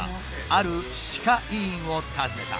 ある歯科医院を訪ねた。